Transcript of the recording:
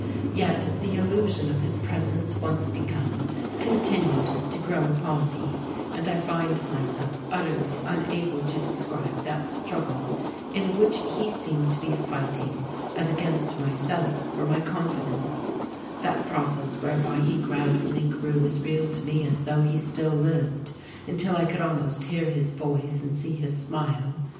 Yet the illusion of his presence, once begun, continued to grow upon me, and I find myself utterly unable to describe that struggle in which he seemed to be fighting as against myself for my confidence; that process whereby he gradually grew as real to me as though he still lived until I could almost hear his voice and see his smile.